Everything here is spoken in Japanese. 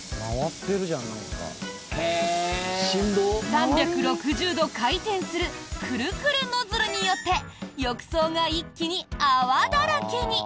３６０度回転するくるくるノズルによって浴槽が一気に泡だらけに！